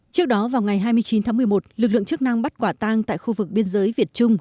trước đó vào ngày hai mươi chín tháng một mươi một lực lượng chức năng bắt quả tang tại khu vực biên giới việt trung